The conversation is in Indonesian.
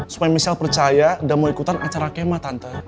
supaya michelle percaya dan mau ikutan acara kema tante